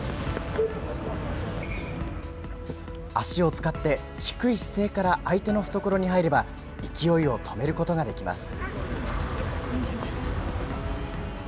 足を使って、低い姿勢から相手の懐に入れば、勢いを止めることができます。